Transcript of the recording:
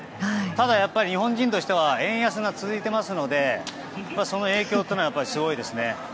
ただ、日本人としては円安が続いていますのでその影響というのはすごいですね。